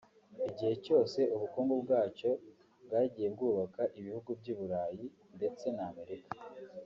igihe cyose ubukungu bwacyo bwagiye bwubaka ibihugu by’i Burayi ndetse na Amerika